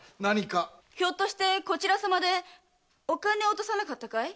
ひょっとしてこちらさまでお金を落とさなかったかい？